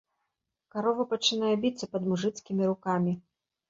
Карова пачынае біцца пад мужыцкімі рукамі.